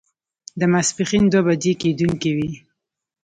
د ماسپښين دوه بجې کېدونکې وې.